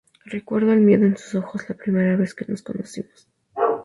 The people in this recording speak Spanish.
Recuerdo el miedo en sus ojos la primera vez que nos conocimos.